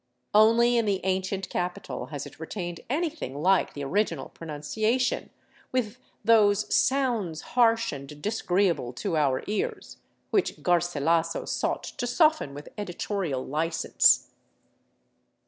Only in the ancient capital has it retained anything like the original pronunciation, with those " sounds harsh and disagreeable to our ears " which Garsilaso sought to soften with editorial license.